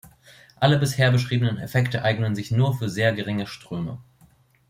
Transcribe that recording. Alle bisher beschriebenen Effekte eigneten sich nur für sehr geringe Ströme.